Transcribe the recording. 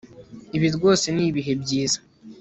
Ibi rwose ni ibihe byiza